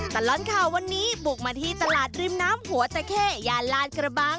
ตลอดข่าววันนี้บุกมาที่ตลาดริมน้ำหัวตะเข้ย่านลาดกระบัง